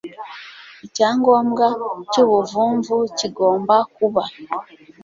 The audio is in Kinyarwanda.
icyangombwa cy ubuvumvu kigomba kuba